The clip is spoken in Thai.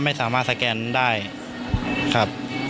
ไม่สามารถสแกนได้ครับ